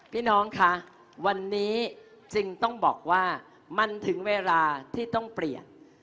พี่น้องคะวันนี้จึงต้องบอกว่ามันถึงเวลาที่ต้องเปลี่ยน